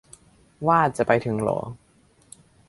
ว่าจะไปถึงเหรอ